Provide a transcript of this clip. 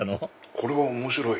これは面白い！